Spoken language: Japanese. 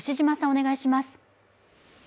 お願いします。